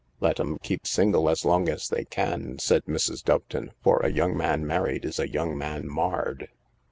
" Let 'em keep single as long as they can," said Mrs. Doveton, " for a young man married is a young man marred."